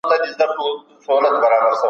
عام افغانان د پوره قانوني خوندیتوب حق نه لري.